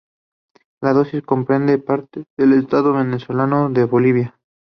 La Diócesis comprende parte del estado venezolano de Bolívar.